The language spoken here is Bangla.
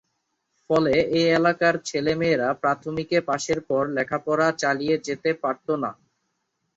ফলে এ এলাকার ছেলে মেয়েরা প্রাথমিক পাশের পর লেখা পড়া চালিয়ে যেতে পারতো না।